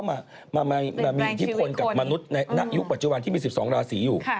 มามีอิทธิพลกับมนุษย์ในยุคปัจจุบันที่มี๑๒ราศีอยู่